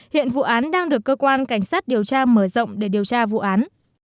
hiện vụ án đang được cơ quan cảnh sát điều tra mở rộng để điều tra vụ án